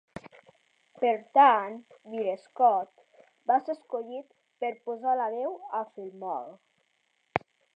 Per tant, Bill Scott va ser escollit per posar la veu a Fillmore.